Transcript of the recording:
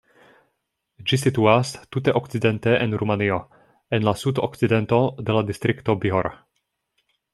Ĝi situas tute okcidente en Rumanio, en la sud-okcidento de la distrikto Bihor.